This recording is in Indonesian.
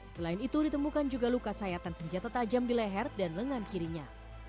selain itu ditemukan juga luka sayatan senjata tajam di leher dan lengan kirinya